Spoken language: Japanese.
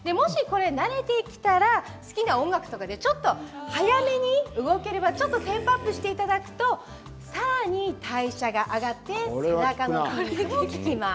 慣れてきたら好きな音楽とかでちょっと早めに動ければテンポアップしていただくとさらに代謝が上がって背中の筋肉に効きます。